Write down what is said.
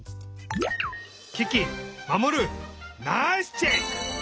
キキマモルナイスチェック！